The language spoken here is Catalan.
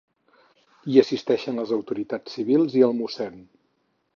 Hi assisteixen les autoritats civils i el mossèn.